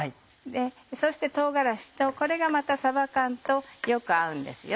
そして唐辛子とこれがまたさば缶とよく合うんですよ。